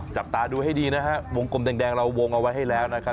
จับตาดูให้ดีนะฮะวงกลมแดงเราวงเอาไว้ให้แล้วนะครับ